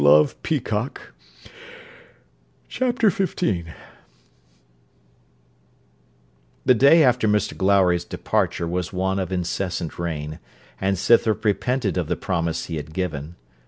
CHAPTER XV The day after Mr Glowry's departure was one of incessant rain, and Scythrop repented of the promise he had given.